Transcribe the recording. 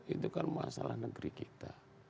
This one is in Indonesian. itu kan masalah negeri kita